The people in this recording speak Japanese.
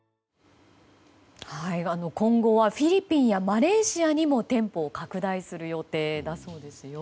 今後はフィリピンやマレーシアにも店舗を拡大する予定だそうですよ。